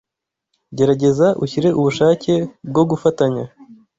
Gerageza ushyire ubushake bwo gufatanya